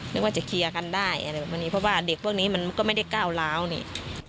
นึกว่าจะเคลียร์กันได้อะไรแบบนี้เพราะว่าเด็กพวกนี้มันก็ไม่ได้ก้าวร้าวนี่